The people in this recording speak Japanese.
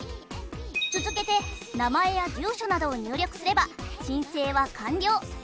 続けて名前や住所などを入力すれば申請は完了。